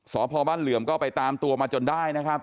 สพบ้านเหลื่อมก็ไปตามตัวมาจนได้นะครับ